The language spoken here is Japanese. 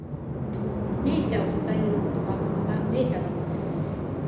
銘茶をたたえる言葉。また、銘茶のこと。